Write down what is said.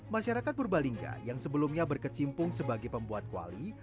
masyarakat purbalingga yang sebelumnya berkecimpung sebagai pembuat kuali